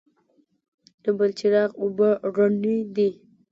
د بلچراغ اوبه رڼې دي